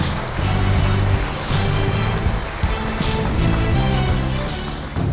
เกมต่อชีวิตครับ